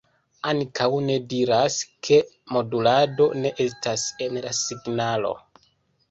Ankaŭ ne diras, ke modulado ne estas en la signalo.